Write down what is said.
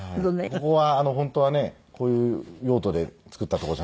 ここは本当はねこういう用途で作ったとこじゃないんですけどね。